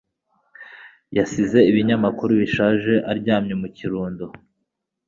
Yasize ibinyamakuru bishaje aryamye mu kirundo.